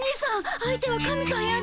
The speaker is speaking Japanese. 相手は神さんやで。